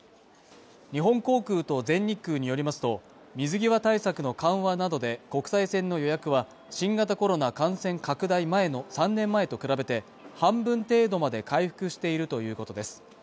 日本航空と全日空によりますと水際対策の緩和などで国際線の予約は新型コロナ感染拡大前の３年前と比べて半分程度まで回復しているということです